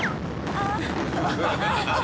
ああ！